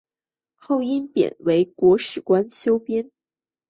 后因事贬为国史馆编修。